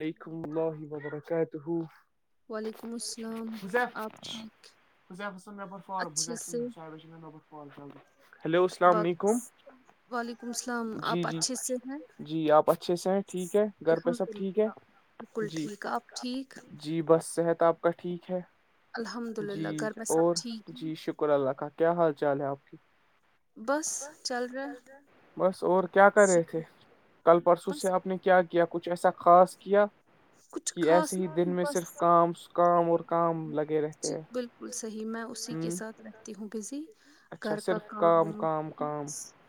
علیکم اللہ وبرکاتہ حی حزیف س میں پررفارم حزی حساب ہلو السلام علیکم وعلیکم السلام آپ اچھے سے ہیں الحمد للہ بالکل ٹھیک آپ ٹھیک جی بس صحت آپ کا ٹھیک ہے جی اور جی شک شکر اللہ کا کیا حال چال ہے آپ کی بس اور کیا کر رہے تھے کل پرسوں سے اپنی کیا کیا کچھ ایسا خاص کیا کہ ایسے ہی دن میں صرف کام کام اور کام لگے رہتے ہیں ہوں بزی گھر کا کام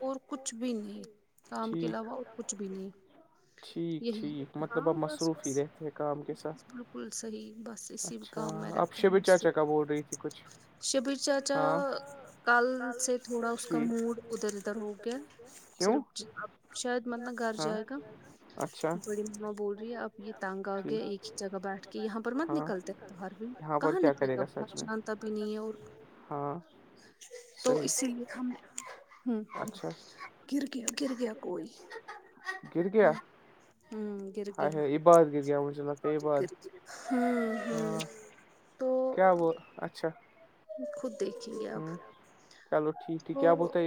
اور کچھ بھی نہیں کام کے علاوہ اور کچھ بھی نہیں یہی ہاں بس بس بالکل صحی بس اسی شبر چاچا کل سے تھوڑا اس کا موڈ ادھر ادھر ہو گیا صرف جب شاید مطب گھر جائے گا بڑی ما بول رہی ہے اب یہ تنگ آ گیا ایک ا جگہ بیٹھ کے یہاں پر مت نکلتے باہر بھی کہاں نکلے گا باہر جانتا بھی نہیں ہے اور تو اسی لیے ہم گر گ گر گیا کوئی گر گیا ا عباد گ گین چلاگتا عباد ہاں کیا وہ اچھا خود دیکھیں گے آپ چلو ٹھیک ٹھیک کیا بولت ہے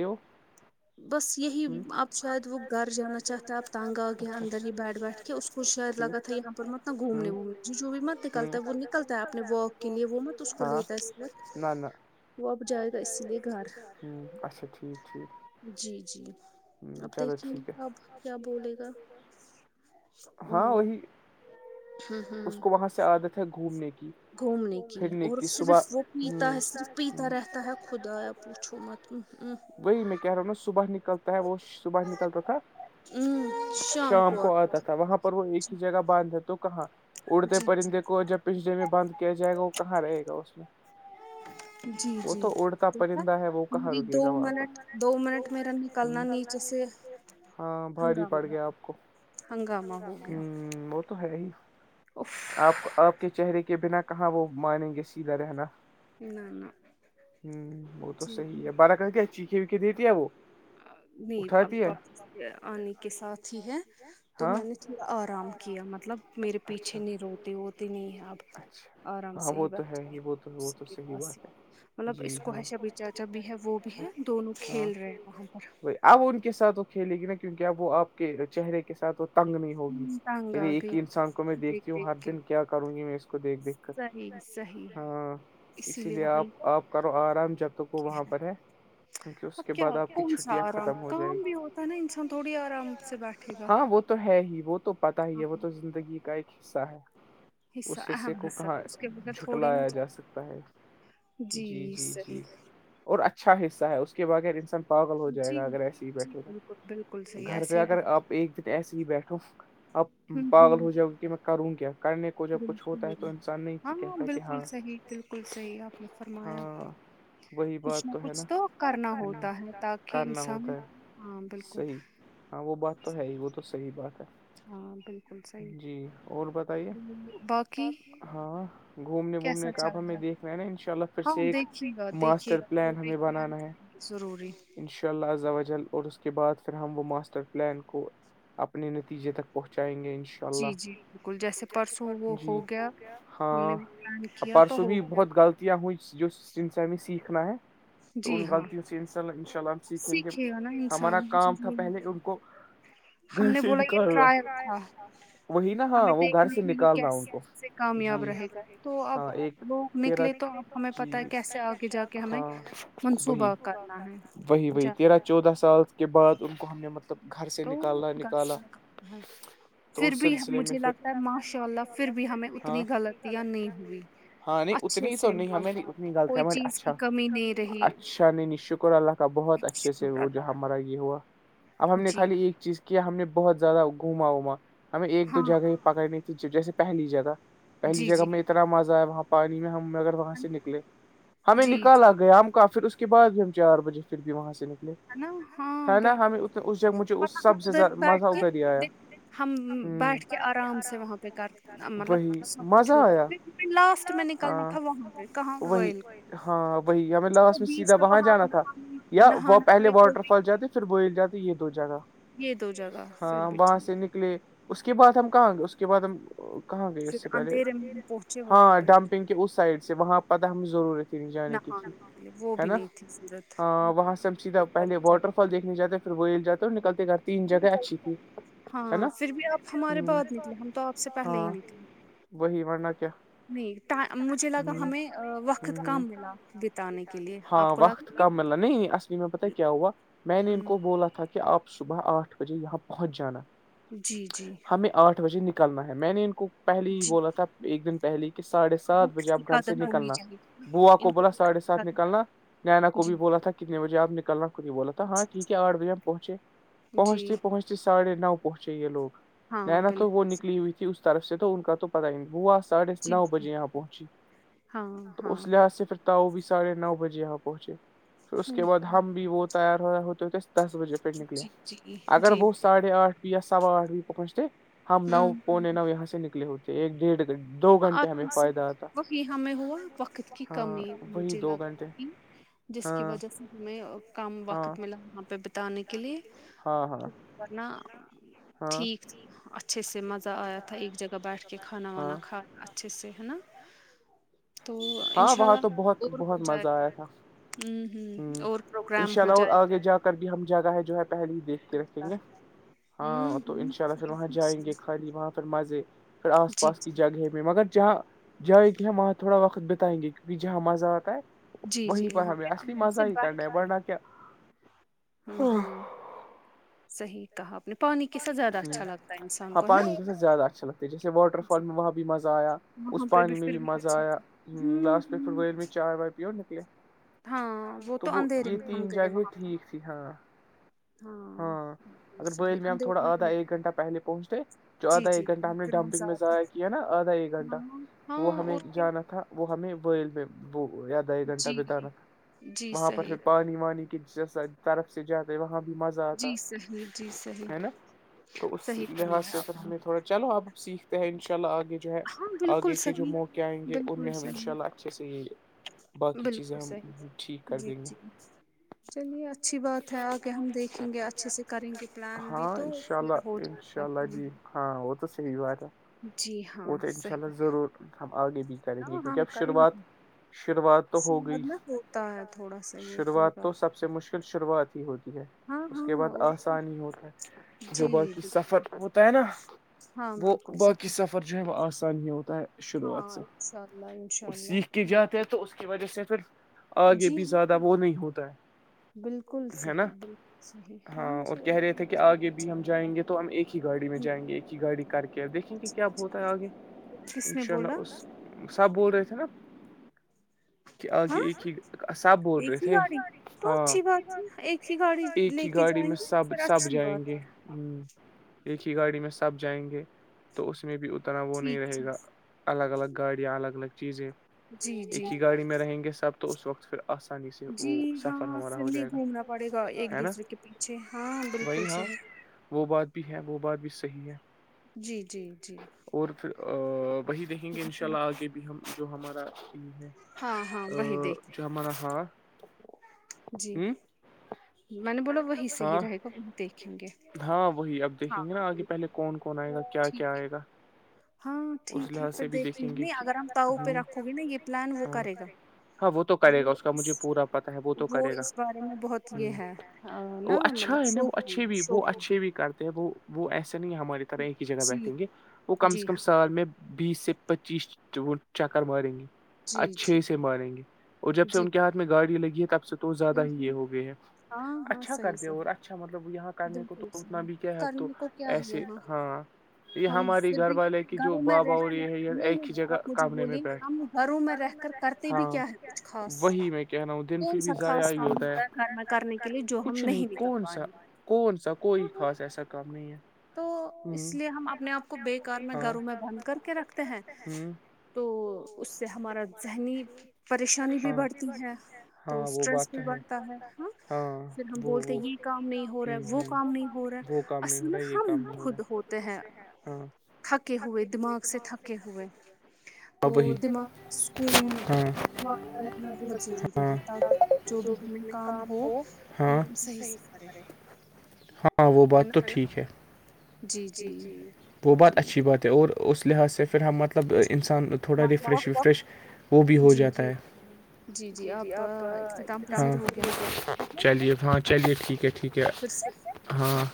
بس یہی اب شاید وہ گھر جانا چاہتا ہے اب تنگ آ گیا اندر ہی بیٹھ بیٹھ اس کو شاید لگا تھا یہاں پر مت نہ گھومنے میں جو بھی مت نکلتا ہے وہ نکلتا ہے اپنے واکک کے لیے وہ مت اس کو لیتا اس وقت وہ اب جائے گا اسی لیے گھر ہوں اچھا ٹھیک ٹھیک جی جی اب دیکھیں گے اب کیا بولے گا ہوں اس کو وہاں سے عادت ہے گھومنے کی گھومنے کی اور صرف وہ پیتا ہے صرف پیتا رہتا ہے خدا وچھ مت وہی م میں کیا روں صبح نکلتا وہ صبح نکلتا تھا شام کو آتا تھا وہاں پر وہ ایک جگہ باندھ ہے تو کہاں اڑتے پرندے کو جب پچڑے میں بند کیا جائے گا وہ کہاں رہے گا اس میں وہ تو اڑتا پرندہ ہے وہ کہاں رکے گا واپس دو منٹ میں نے سے ہاں بھاری پڑ گیا آپ کو ہ وہ تو ہے ہی [unintelligible] آپ آپ کے چہرے کے بنا کہاں وہ مانیں گے سیدھا رہنا ہوں وہ تو صحیح ہے بارا کہ کیا چیھے وکھے دیتی ہے وہ نہیں اب واپ آنے کے ساتھ ہی ہے تو میں نے آرام کیا مطلب اچھا اچھا ہاں وہ تو ہے ہی وہ تو وہ تو صحیح بات ہے مطلب اسکو ہشاب بھی چاچا بھی ہے وہ بھی ہے دونوں کھیل رہے ہیں ہم اب ان کے ساتھ وہ کھیلے گی نہ کیونکہ اب وہ آپ کے چہرے کے ساتھ ہو تنگ نہیں ہوگی ایک ہی انسان کو میں دیکھتی ہوں ہر دن کیا کروں گی میں اس کو اس کو دیکھ دیکھ کر ہاں اسی لیے آپ آپ کرو آرام جب تک وہ وہاں پر ہے کیونکہ اس کے بعد آپ کی چھٹیاں ختم ہو جائیں گی ہاں وہ تو ہے ہی وہ تو پتا ہی ہے وہ تو زندگی کا ایک حصہ ہے اس حصے کو کہاں جھٹلایا جا سکتا ہے جی صحیح اور اچھا حصہ ہے اس کے بغیر انسان پاگل ہو جائے گا اگر ایسے ہی بیٹھے گا گھر پہ اگر آپ ایک دن ایسے ہی بیٹھا ہوں اب پاگل ہو جاؤ کہ میں کروں کیا کرنے کو جب کچھ ہوتا ہے تو انسان نہیں کہتا کہ ہاں صحی بلکل صحیح آپ نے فرمایا کچھ نہ کچھ تو کرنا ہوتا ہے تاکہ انسان ہاں بلکل ہاں وہ بات تو ہے ہی وہ تو صحیح بات ہے ہاں بالکل صی اور بتائیے ہاں گھومنے وومنے کا آپ ہمیں دیکھ رہے ہیں نا ان شاء اللہ پھر سے ایک ماسٹر پلان ہمیں بنانا ہے انشاء اللہ زوجل اور اس کے بعد پھر ہم وہ ماسٹر پلان کو اپنے نتیجے تک پہنچائیں گے انشاء اللہ جی ہاں پرسو بھی بہت غلط یا وہ ہی جو انس سیکھنا ہے تو ان غلطیوں سے انساءلہ انشاء اللہ سیکھیں گے ہمارا کام تھا پہلے ان کو گھر سے نکالا وہی نہیں ہاں وہ گھر سے نکال رہا ان کو جی ہاں ایک تیرا جی ہاں وہی وہی وہی تیرا چودہ سال کے بعد ان کو ہم نے مطلب گھر سے نکالنا نکالا تو اس سلسلے میں ماشاء اللہ پھر بھی اتنی غلطیاں نہیں تھی ہاں نہیں اتنی تو نہیی میری اچھا اچھا شکر اللہ کا بہت اچھے سے وجہ یہ ہوا اب ہم نے خالی ایک چیز کیا ہم نے بہت زیادہ گھوما ووما ہمیں ایک تو جگہ ہی پکڑنی تھی جیسے پہلی جگہ پہلی جگہ میں اتنا مزہ آیا وہاں پانی میں ہمگر وہاں سے نکلے ہمیں نکالا گیا ہم کہاں پھر اس کے بعد بھی ہم چار بجے پھر بھی وہاں سے نکلے ہے نہ ہاں بلکل ہم ادھر بیٹھ کے ہم بیٹھ کے کہ آرام سے وہاں پہ کر مطلب سب کچھ ہوتا لاسٹ میں نکلنا تھا وہاں وہی ہاں وہی ہمیں لاسٹ میں سیدھا وہاں جانا تھا یا وہ پہلے واٹر فال جاتے پھر بوئل جاتے یہ دو جگہ ہاں وہاں سے نکلے کے بعد ہم کہاں اس کے بعد ہم کہاں گئے اس سے پہلے ہاں ڈمپنگ اس سائڈ سے وہاں پتہ ہمیں ضرور ہے جانے کی ہے نہ ہاں وہاں سے ہم سیدھا پہلے واٹر فال دیکھنے جاتے وہ ایک جاٹر نکلتے گھر کل ہاں پھر بھی آپ ہمارے بعد نکلے ہم تو آپ سے پہلے ہی نکلے وہی مرنا کیا نہی ٹا مجھے لگا ہمیں وقت کم ملا بتانے کے لیے ہاں وقت کم مل رہا نہیں اصلی میں پتا کیا ہوا میں نے ان کو بولا تھا کہ آپ صبح آٹھ بجے یہاں پہنچ جانا جی جی ہمیں آٹھ بجے نکلنا ہے میں نے ان کو پہلے ہی بولا تھا ایک دن پہلے کہ ساڑھے سات بجے آپ گھر سے نکلنا بووا کو بولا ساڑھے سات نکلنا نینا کو بھی بولا تھا ت بجے آپ نکلنا خود یہ بولا تھا ہاں ٹھیک ہے آھ بجے ہم پہنچے پہنچتے پہنچتی ساڑھے نو پہنچے یہ لوگ نینا تو وہ نکلی ہوئی تھی اس طرف سے تو ان کا تو پتا ہی نہیں ہوا ساڑھے نو بجے یہاں پہنچی تو اس لحاظ سے پ وہ بھی ساھے نو بجے یہاں پہنچے پھر اس کے بد ہم بھی وہ تیار ہوتے ہوتے دس بجے پھر نکلے اگر وہ ساڑھے آٹھ یا سوا آٹھ بھی پہنچتے ہم نو پونے نو یہاں سے نکلے ہوتے ایک ڈیڑھ گن دو گھنٹے ہمیں فائدہ آتا ہاں وہی دو گھنٹے ہ جی جس کی وجہ سے ہمیں کم وقت ملا وہاں پہ بتانے کے لیے تو ورنہ ٹھیک اچھے سے مزہ آیا تھا ایک جگہ بیٹھ کے کھانا وانا کھا اچھے سے ہے نا تو انشاءلہ اور ہو جائے ہوں ہوں اور پروگرام ہو جائے گا بھی ہم جگہ ہے جو ہے پہلے ہی دیکھ کے رکھیں گے ہاں تو ان شاء اللہ پھر وہاں جائیں گے خالی وہاں پھر مزے پھر آس پاس کی جگہ میں مگر جہاں جائے کی ہیں وہاں تھوڑا وقت بتائیں گے کیونکہ جہاں مزہ آتا ہے وہیں پر ہمیں اصلی مزہ ہی کرنا ہے ورنہ کیا ہوں ہوں ہاں پانی کی سے زیادہ اچھا لگتا جس واٹر فال میں وہاں بھی مزہ آیا اس پانی میں بھی مزہ آیا ہ لاسٹ پہ پھر و میں چائے وائے پ نکلے تو وہ یہ تین جگہ ٹھیک تھی ہاں ہاں اگر بل میں ہم تھوڑا آدھا ایک گھنٹہ پہلے پہنچتے جو آدھا ایک گھنٹہ ہم نے ڈمپنگ میں ایاع نا آدھا ایک گھنٹہ وہ ہمیں جانا تھا وہ ہمیں ویل میں وہ آدھا ایک گھنٹہ بتانا تھا وہاں پر پھر پانی وانی جس طرف سے جاتے وہاں بھی مزہ نا تو اس لحاظ سے پ ہم تھوا چلو اب اب سیکھتے ہیں ان شاء اللہ آگے جو ہے آگے کے جو موقع آئیں گے ان میں ہم ان شاء اللہ اچھے سے یہ بالکل صحیح جی جی چلیے اچھی بات ہے آگے ہم دیکھیں گے اچھے سے کریں گے پلان بھی تو پھر ہو جائے گا جی وہ تو ان شاء اللہ ضرور ہم آگے بھی کریں گے کیونکہ اب شروعات شروعات تو ہو گئی شروعات تو سب سب سے مشکل شروعات ہی ہوتی ہے ہاں اور جی ب ہاں بالکل صحیح جو ہے وہ آسان ہی ہوتا ہے شروعات سے اور سیکھ کے جاتے تو اس کی وجہ سے پھر آگے بھی زیادہ وہ نہیں ہوتا ہے ہے نا ہاں اور کہہ رہے تھے کہ آگے بھی ہم جائیں گے تو ہم ایک ہی گاڑی میں جائیں گے ایک ہی گاڑی کر کے دیکے کہ کیا ب ہوتا ہے آگے کس نے بولا سب بول رہے تھے نا آگے ایک ہی صاحب بول رہے تھے ہاں گاڑی میں سب سب جائیں گے ہ ایک ہی گاڑی میں سب جائیں گے تو اس میں بھی اتنا وہ نہیں رہے گا الگ الگ گاڑیاں الگ الگ چیزیں ایک ہی گاڑی میں رہیں گے سب تو اس وقت پھر آسانی سے وہ سفر ہمارا ہو جائے گا پڑے گا ایک دوسرے کے پیچھے ہاں بالکل صحیح وہ بات بھی ہے وہ بات بھی صحیح ہے جی جی جی اور پھر وہی دیکھیں گے ان شاء اللہ آگے بھی ہم جو ہمارا ہے ا جو ہمارا ہا جی میں نے بولاو وہی صح ہی رہے گا دیکھیں گے ہاں وہی اب دیکھیں گے نا آگے پہلے کون کون آئے گا کیا کیا آئے گا ہاں ٹھیک ہے پھر دیکھیے نہیں اگر ہم تاؤ پہ رکھو گے نا یہ پلان وہ کرے گا ہاں وہ تو کرے گا اس کا مجھے پورا پتا ہے وہ تو کرے گا ہ وہ اچھا ہے نا وہ اچھے بھی وہ اچھے بھی کرتے ہیں وہ وہ ایسا نہیں ہماری طرح ایک ہی جگہ بیٹھیں گے وہ کم سے کم سال میں بیس سے پچیس وہ چکر ماریں گے اچھے سے ماریں گے اور جب سے ان کے ہاتھ میں گاڑی لگی ہے تب سے تو زیادہ ہی یہ ہو گئے ہے اچھا کر د اور اچھا مطلب یہاں کرنے کو تو اتنا بھی کیا ہے اب تو ایسے ہاں جی ہم پھر بھی گھروں میں رہ کر نہیں نہیں آپ مجھے بوولیں ہم گھروں میں رہ کر کرتے بھی کیاچھ خاص کو سکتا خاص کام ہوتا ہے گھر میں کرنے کے لیے جو ہم نہیں نکل پائیں گے کون سا کوئی خاص ایسا کام نہیں ہے تو اس لیے ہم اپنے آپ کو بے کار میں گھروں میں بند کر کے رکھتے ہیں تو اس سے ہمارا ذہنی پریشانی بھی بڑھتی ہے تو اسٹریس بھی بڑھتا ہے ہاں پھر ہم بولتے ہیں یہ کام نہیں ہو رہا ہے وہ کام نہیں ہو رہا ہے اصل ما ہو د ہ ب ہاں ہاں جو بھی تمیں کام ہو ہاں صحیح سے ہاں وہ بات تو ٹھیک ہے وہ بہات اچھی بات ہے اور اس لحاظ سے پھر ہمت مطلب انسان تھوڑا ریفریش ویفریش وہ بھی ہو جاتا ہے جی جی آپ چلیے ہاں چلیے ٹھیک ہے ٹھیک ہے ہاں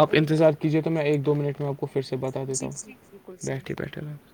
آپ انتظار کیجیے تو ایک دو منٹ میں آپ کو پھر سے بتا دیتا ہوں بیٹھی بیٹھے